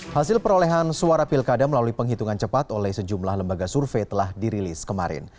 hasil perolehan suara pilkada melalui penghitungan cepat oleh sejumlah lembaga survei telah dirilis kemarin